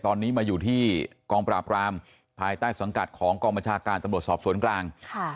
ตอนนี้มาอยู่ที่กองปราบรามภายใต้สังกัดของกองบัญชาการตำรวจสอบสวนกลาง